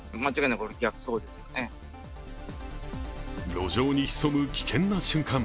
路上に潜む危険な瞬間。